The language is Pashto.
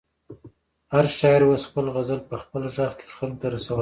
هر شاعر اوس خپل غزل په خپل غږ کې خلکو ته رسولی شي.